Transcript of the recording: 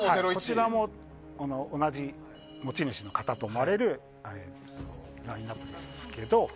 こちらも同じ持ち主の方と思われるラインナップですけども。